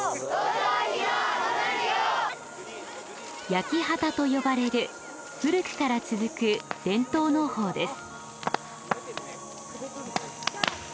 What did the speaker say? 焼き畑と呼ばれる古くから続く伝統農法です。